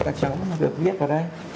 các cháu nó được viết vào đây